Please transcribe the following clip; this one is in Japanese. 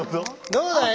どうだい？